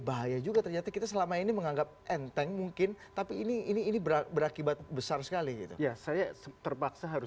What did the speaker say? bahaya juga ternyata kita selama ini menganggap enteng mungkin tapi ini ini berakibat besar sekali